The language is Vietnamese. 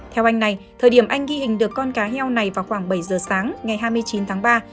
theo anh này thời điểm anh ghi hình được con cá heo này vào khoảng bảy giờ sáng ngày hai mươi chín tháng ba